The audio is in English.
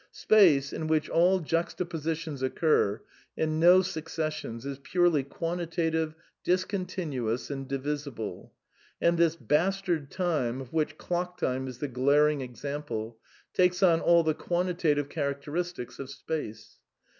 Space, in which all juxtapositions occur and no succes sions, is purely quantitative, discontinuous, and divisible ;\ and this bastard time, of which clock time is the glaring ^ example, takes on all the quantitative characteristics of space.